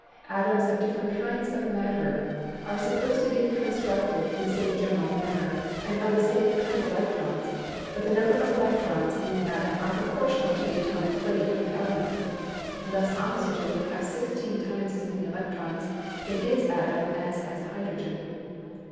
Atoms of different kinds of matter are supposed to be constructed in the same general manner and of the same kind of electrons, but the number of electrons in an atom are proportional to the atomic weight of the element. Thus oxygen would have sixteen times as many electrons in its atom as has hydrogen.